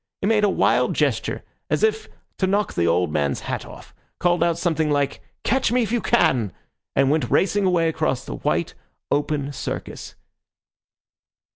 He made a wild gesture as if to knock the old man's hat off, called out something like "Catch me if you can," and went racing away across the white, open Circus.